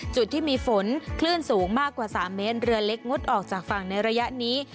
จุดที่มีฝนคลื่นสูงมากกว่า๓เมตรเรือเล็กงดออกจากฝั่งในระยะนี้